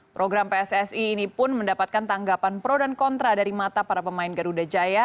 program pssi ini pun mendapatkan tanggapan pro dan kontra dari mata para pemain garuda jaya